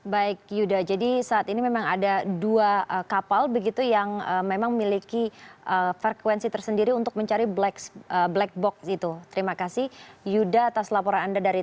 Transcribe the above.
baik yuda jadi saat ini memang ada dua kapal begitu yang memang memiliki frekuensi tersendiri